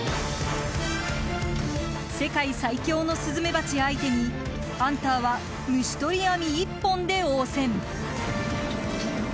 世界最凶のスズメバチ相手にハンターは虫とり網一本で応戦。